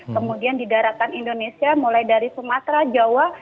kemudian di daratan indonesia mulai dari sumatera jawa